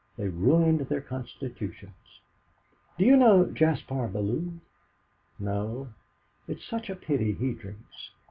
They ruined their constitutions. Do you know Jaspar Bellew?" "No." "It's such a pity he drinks.